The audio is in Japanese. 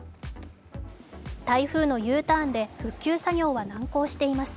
台風のＵターンで復旧作業は難航しています。